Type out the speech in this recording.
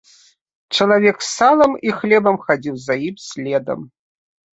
Чалавек з салам і хлебам хадзіў за ім следам.